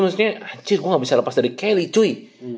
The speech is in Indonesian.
maksudnya anjir gua gak bisa lepas dari kelly cuy